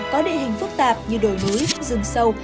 có địa hình phức tạp như đồi núi rừng sâu